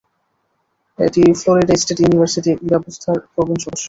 এটি Florida State University ব্যবস্থার প্রবীণ সদস্য।